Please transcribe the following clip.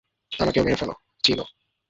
আমাকেও মেরে ফেলো, চিনো!